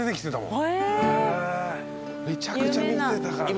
めちゃくちゃ見てたから。